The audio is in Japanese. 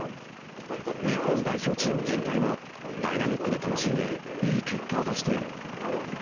日本代表チーム全体も、ダイナミックで楽しんでいい結果を出している。